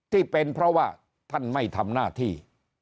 ที่เป็นเพราะว่าท่านไม่ทำหน้าที่